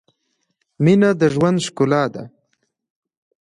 • مینه د ژوند ښکلا ده.